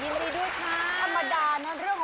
ผู้โชคดีได้แกคุณประสงค์แสงจันดาจากจังหวัดลบปลอดภัย